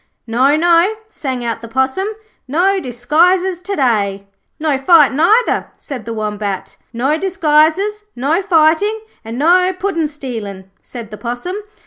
'No, no,' sang out the Possum. 'No disguises to day.' 'No fighting, either,' said the Wombat. 'No disguises, no fighting, and no puddin' stealing,' said the Possum.